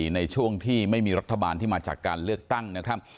ในช่วงที่ไม่มีรัฐบาลที่มาจากการเลือกตั้งนะครับ